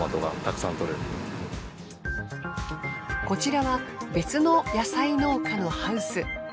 こちらは別の野菜農家のハウス。